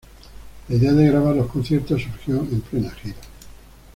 La idea de grabar los conciertos surgió en plena gira.